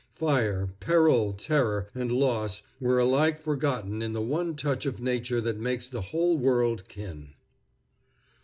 Fire, peril, terror, and loss were alike forgotten in the one touch of nature that makes the whole world kin.